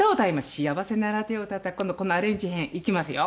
『幸せなら手をたたこう』のこのアレンジ編いきますよ。